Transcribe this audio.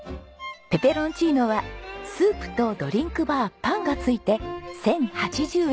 ペペロンチーノはスープとドリンクバーパンが付いて１０８０円。